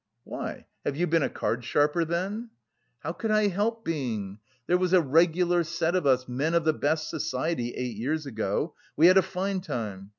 "Why, have you been a card sharper then?" "How could I help being? There was a regular set of us, men of the best society, eight years ago; we had a fine time.